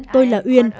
tôi là uyen